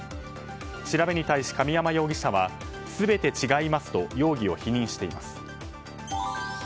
調べに対し神山容疑者は全て違いますと容疑を否認しています。